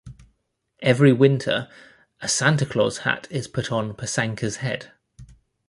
Every winter, a Santa Claus hat is put on "Posankka"s head.